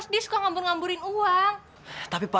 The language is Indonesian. primo mengundang kakak